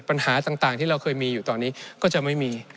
ปัญหาต่างที่เราเคยมีอยู่ตอนนี้ก็จะไม่มี